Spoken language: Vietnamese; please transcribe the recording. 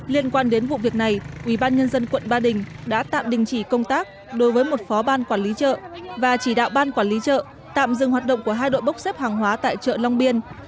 liên quan đến vụ việc này ubnd quận ba đình đã tạm đình chỉ công tác đối với một phó ban quản lý chợ và chỉ đạo ban quản lý chợ tạm dừng hoạt động của hai đội bốc xếp hàng hóa tại chợ long biên